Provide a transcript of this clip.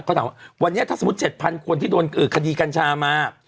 เขาถามว่าวันนี้ถ้าสมมุติ๗๐๐คนที่โดนคดีกัญชามา